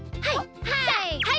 はい。